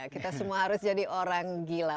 kita semua harus jadi orang gila